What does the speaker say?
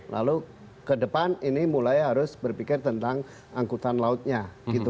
lalu ke depan ini mulai harus berpikir tentang angkutan lautnya